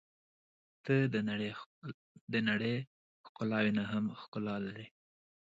• ته د نړۍ ښکلاوې نه هم ښکلا لرې.